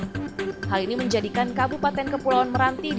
tetapi bisa memanfaatkan dana tanggung jawab sosial lingkungan atau dana ciki